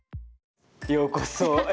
ようこそ！